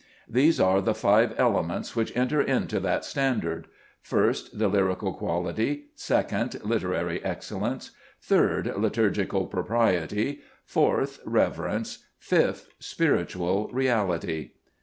These are the five elements which enter into that standard : First, the lyrical quality ; second, literary excellence ; third, liturgical propriety; fourth, reverence; fifth, spiritual reality.